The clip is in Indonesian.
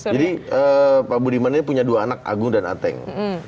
jadi pak budiman ini punya dua anak agung dan ateng